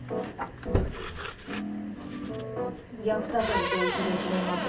役立たずと一緒ですみません。